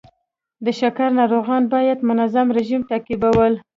د شکر ناروغان باید منظم رژیم تعقیبول.